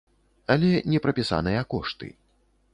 Але не прапісаныя кошты.